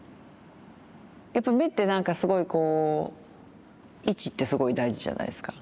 やっぱ目ってなんかすごいこう位置ってすごい大事じゃないですか。